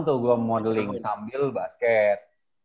tuh gue modeling sambil basket